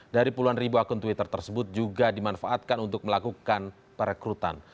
dari puluhan ribu akun twitter tersebut juga dimanfaatkan untuk melakukan perekrutan